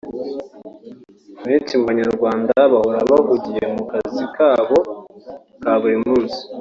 Benshi mu Banyarwanda bahora bahugiye mu kazi kabo ka buri munsi